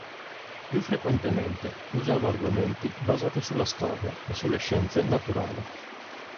Più frequentemente usava argomenti basati sulla storia e sulle scienze naturali.